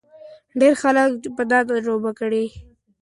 ډېر خلک به دا تجربه کړي.